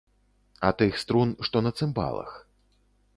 А тых струн, што на цымбалах.